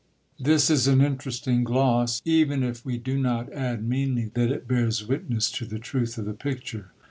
This is an interesting gloss, even if we do not add meanly that it bears witness to the truth of the picture.